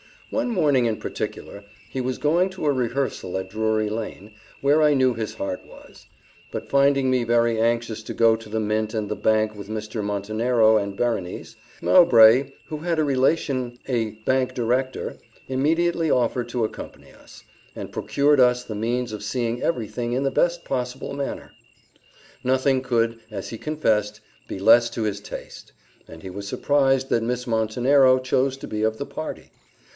One morning in particular, he was going to a rehearsal at Drury lane, where I knew his heart was; but finding me very anxious to go to the Mint and the Bank with Mr. Montenero and Berenice, Mowbray, who had a relation a Bank director, immediately offered to accompany us, and procured us the means of seeing every thing in the best possible manner. Nothing could, as he confessed, be less to his taste; and he was surprised that Miss Montenero chose to be of the party.